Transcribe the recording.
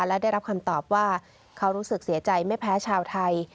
และได้รับคำตอบว่าเขารู้สึกเสียใจไม่แพ้ชาวไทย